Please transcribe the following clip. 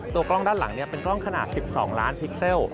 กล้องด้านหลังเป็นกล้องขนาด๑๒ล้านพิกเซล